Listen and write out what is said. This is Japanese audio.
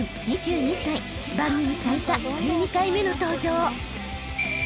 ［番組最多１２回目の登場］